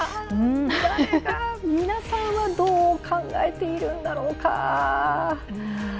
誰か皆さんはどう考えているんだろうか。